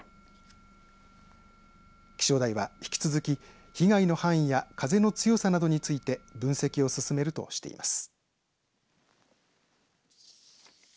気象台は引き続き被害の範囲や風の強さなどについて分析を進めるとしています。